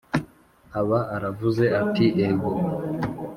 aba aravuze ati: ego!